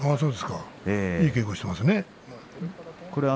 いい稽古をしていますね。